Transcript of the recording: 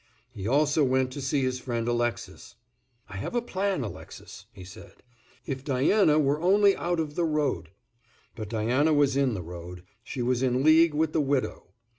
He also went to see his friend Alexis. "I have a plan, Alexis," he said, "if Diana were only out of the road." But Diana was in the road, she was in league with the widow.